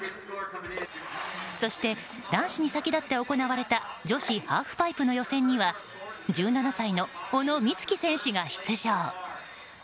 そして、男子に先立って行われた女子ハーフパイプの予選には１７歳の小野光希選手が出場。